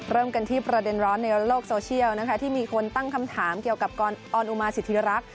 เริ่มกันที่ประเด็นร้อนในโลกโซเชียลนะคะที่มีคนตั้งคำถามเกี่ยวกับกรอออนอุมาสิทธิรักษ